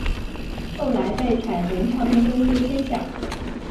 后来被彩虹唱片公司签下。